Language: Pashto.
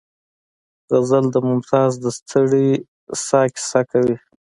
غزل د ممتاز د ستړې ساه کیسه کوي